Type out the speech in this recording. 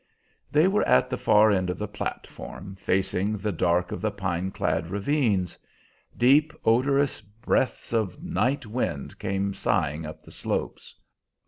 They were at the far end of the platform, facing the dark of the pine clad ravines. Deep, odorous breaths of night wind came sighing up the slopes.